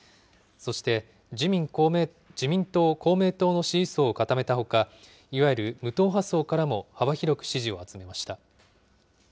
そして自民党、公明党の支持層を固めたほか、いわゆる無党派層からも幅広く支持を集めました。